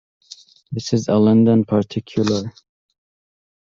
This is a London particular.